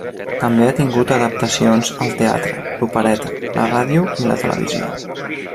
També ha tingut adaptacions al teatre, l'opereta, la ràdio i la televisió.